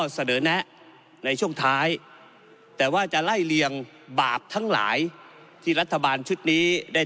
เสนอแนะในช่วงท้ายแต่ว่าจะไล่เลียงบาปทั้งหลายที่รัฐบาลชุดนี้ได้